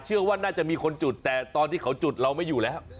เชื่อว่าน่าจะมีคนจุดแต่ตอนที่เขาจุดเราไม่อยู่แล้ว